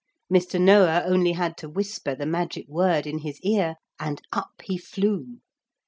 Mr. Noah only had to whisper the magic word in his ear and up he flew.